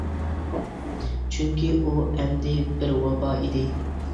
چۈنكى ئۇ ئەمدى بىر ۋابا ئىدى.